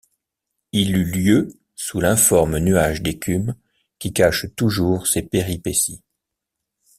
Il eut lieu sous l’informe nuage d’écume qui cache toujours ces péripéties.